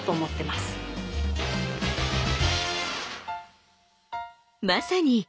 まさに！